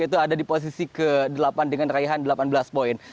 yaitu ada di posisi ke delapan dengan raihan delapan belas poin